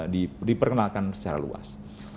diperkenalkan secara luas